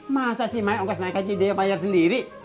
masa si mae ongkos naik hajin dia bayar sendiri